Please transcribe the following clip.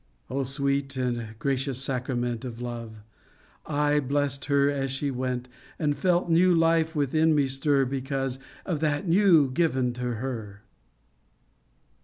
» Oh sweet and gracious sacrament Of love ! I blessed her as she went, And felt new life within me stir Because of that new given to her